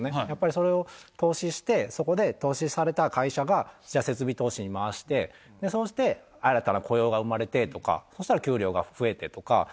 やっぱりそれを投資して、そこで投資された会社が、じゃあ、設備投資に回して、そうして新たな雇用が生まれてとか、そしたら給料が増えてとか。